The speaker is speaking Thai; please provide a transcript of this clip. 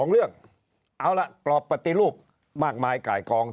เรื่องเอาละกรอบปฏิรูปมากมายไก่กอง